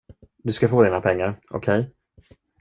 Du ska få dina pengar, okej?